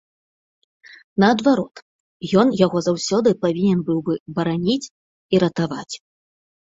Наадварот, ён яго заўсёды павінен быў бы бараніць і ратаваць.